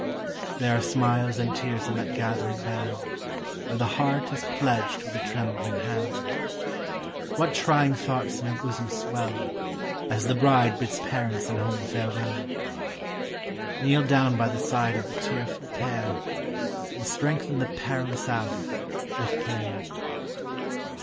There are smiles and tears in that gathering band, Where the heart is pledged with the trembling hand: What trying thoughts in her bosom swell, As the bride bids parents and home farewell! Kneel down by the side of the tearful pair, And strengthen the perilous hour with prayer.